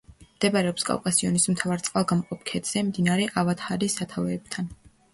მდებარეობს კავკასიონის მთავარ წყალგამყოფ ქედზე, მდინარე ავადჰარის სათავეებთან.